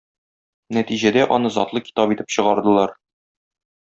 Нәтиҗәдә аны затлы китап итеп чыгардылар.